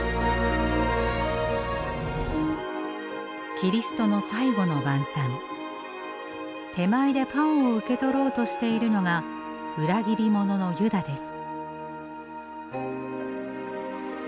キリストの手前でパンを受け取ろうとしているのが裏切り者のユダです。